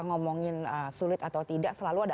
ngomongin sulit atau tidak selalu ada